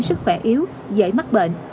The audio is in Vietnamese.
sức khỏe yếu dễ mắc bệnh